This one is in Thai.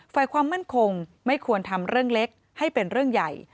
ความมั่นคงไม่ควรทำเรื่องเล็กให้เป็นเรื่องใหญ่